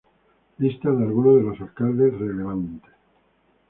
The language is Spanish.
Lista de algunos de los alcaldes relevantes.